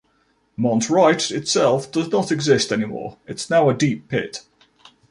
Mont Wright itself does not exist anymore; it's now a deep pit.